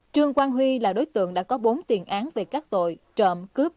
trương quang huy là đối tượng đã có bốn tiền án về các tội trộm cướp